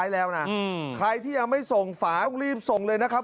แล้วนะใครที่ยังไม่ส่งฝาต้องรีบส่งเลยนะครับ